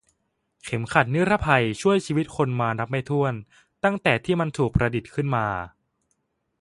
เข็มขัดนิรภัยช่วยชีวิตคนมานับไม่ถ้วนนับตั้งแต่ที่มันถูกประดิษฐ์ขึ้นมา